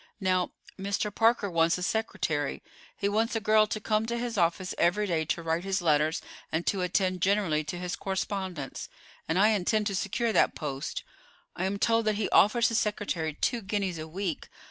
Now, Mr. Parker wants a secretary. He wants a girl to come to his office every day to write his letters and to attend generally to his correspondence, and I intend to secure that post. I am told that he offers his secretary two guineas a week.